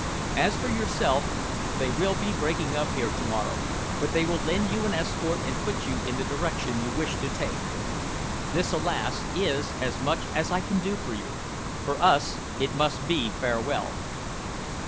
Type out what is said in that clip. "As for yourself, they will be breaking up here to morrow, but they will lend you an escort and put you in the direction you wish to take. This, alas, is as much as I can do for you. For us it must be farewell."